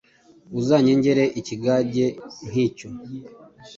Uzanyengere ikigage nk’icyo.